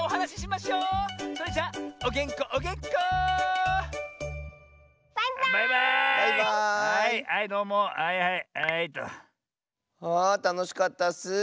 あたのしかったッス。